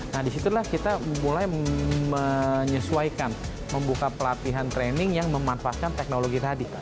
nah disitulah kita mulai menyesuaikan membuka pelatihan training yang memanfaatkan teknologi tadi